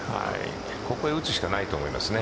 ここに打つしかないと思いますね